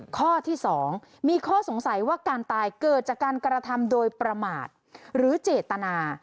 ข้อที่๒มีข้อสงสัยว่าการตายเกิดจากการกระทำโดยประมาทหรือเจตนา